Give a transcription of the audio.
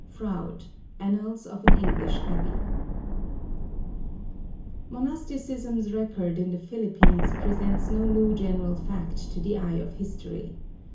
FROUDE, Annals of an English Abbey. Monasticism's record in the Philippines presents no new general fact to the eye of history.